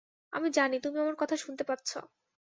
আমি জানি, তুমি আমার কথা শুনতে পাচ্ছ।